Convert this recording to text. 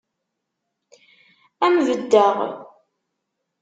Ad m-beddeɣ.